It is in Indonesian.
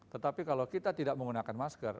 tetapi kalau kita tidak menggunakan masker